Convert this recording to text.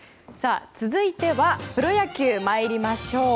続いてはプロ野球参りましょう。